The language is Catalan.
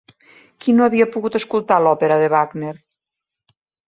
Qui no havia pogut escoltar l'òpera de Wagner?